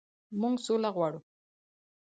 موږ سوله غواړو.